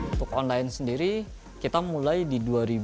untuk online sendiri kita mulai di dua ribu dua puluh